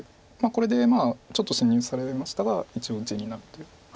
これでちょっと侵入されましたが一応地になるという。